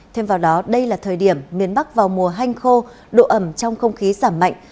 thêm vào đó đây là thời điểm miền bắc vào mùa hanh khô độ ẩm trong không khí giảm mạnh